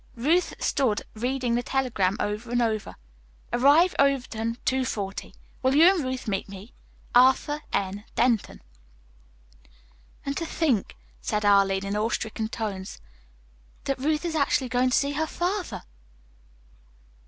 Ruth stood still, reading the telegram over and over: "Arrive Overton 2:40. Will you and Ruth meet me? Arthur N. Denton." "And to think," said Arline, in awe stricken tones, "that Ruth is actually going to see her father!"